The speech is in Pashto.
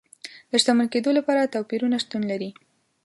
د شتمن کېدو لپاره توپیرونه شتون لري.